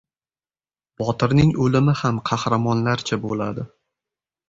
• Botirning o‘limi ham qahramonlarcha bo‘ladi.